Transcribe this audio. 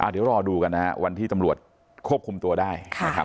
เดี๋ยวรอดูกันนะวันที่ตำรวจควบคุมตัวได้